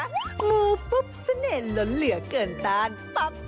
มูปุ๊บเสน่ห์ล้นเหลือเกินต้านปั๊บ